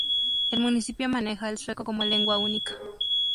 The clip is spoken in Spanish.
El municipio maneja el sueco como lengua única.